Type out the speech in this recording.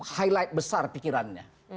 highlight besar pikirannya